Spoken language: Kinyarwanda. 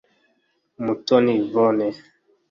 Umutoni Yvonne